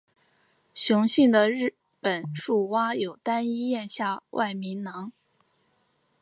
雄性的日本树蛙有单一咽下外鸣囊。